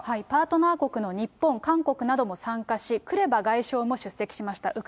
パートナー国の日本、韓国なども参加し、クレバ外相も出席しました。